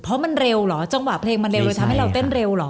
เพราะมันเร็วเหรอจังหวะเพลงมันเร็วเลยทำให้เราเต้นเร็วเหรอ